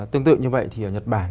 tương tự như vậy thì ở nhật bản